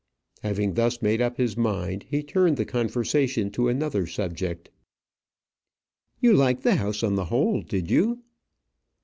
Having thus made up him mind, he turned the conversation to another subject. "You liked the house on the whole; did you?"